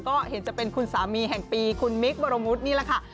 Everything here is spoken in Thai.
ก็เห็นจะเป็นคุณสามีแห่งปีคุณมิคบรมวุฒินี่แหละค่ะ